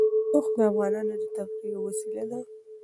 اوښ د افغانانو د تفریح یوه وسیله ده.